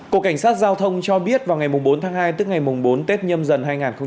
cục cảnh sát giao thông cho biết vào ngày bốn tháng hai tức ngày bốn tết nhâm dần hai nghìn hai mươi bốn